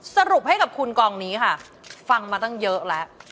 สรุปให้กับคุณกองนี้ค่ะฟังมาตั้งเยอะแล้ว